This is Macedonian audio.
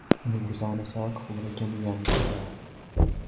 Универзална сала како граѓани ја имаме заборавено.